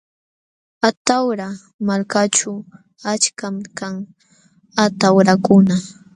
Atawra malkaćhu achkam kan atawrakuna.